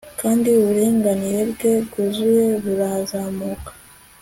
Kandi uburinganire bwe bwuzuye burazamuka